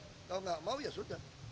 kalau nggak mau ya sudah